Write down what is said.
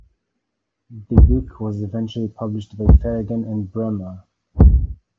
The book was eventually published by Fedogan and Bremer.